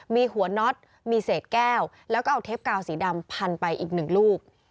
มีหัวน็อตมีเศษแก้วแล้วก็เอาเทปกาวสีดำพันไปอีกหนึ่งลูก